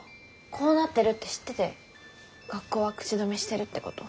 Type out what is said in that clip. こうなってるって知ってて学校は口止めしてるってこと？